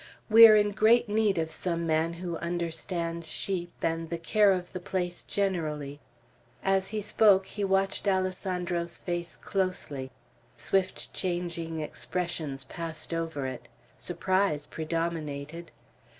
We are in great need of some man who understands sheep, and the care of the place generally." As he spoke, he watched Alessandro's face closely. Swift changing expressions passed over it. Surprise predominated.